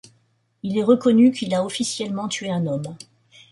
Il est reconnu qu'il a officiellement tué un homme.